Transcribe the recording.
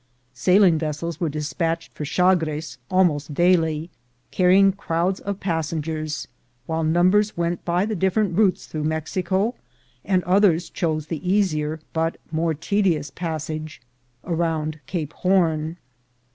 Sailing vessels were despatched for Chagres almost daily, carrying crowds of pas sengers, while numbers went by the different routes through Mexico, and others chose the easier, but more tedious, passage round Cape Horn.